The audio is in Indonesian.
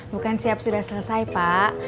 bukan siap sudah selesai pak